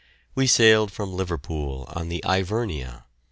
We sailed from Liverpool in the "Ivernia."